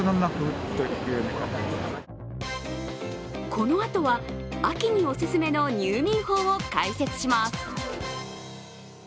このあとは秋におすすめの入眠法を解説します。